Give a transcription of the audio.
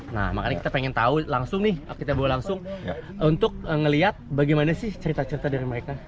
nah makanya kita pengen tahu langsung nih kita bawa langsung untuk melihat bagaimana sih cerita cerita dari mereka